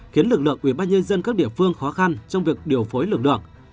khiến lực lượng ubnd các địa phương khó khăn trong việc điều phối lực lượng